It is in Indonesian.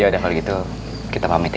yaudah kalau gitu kita pamit ya